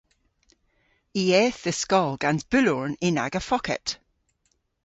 I eth dhe skol gans bulhorn yn aga focket.